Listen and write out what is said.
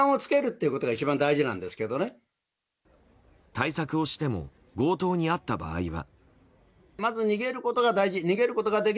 対策をしても強盗に遭った場合は。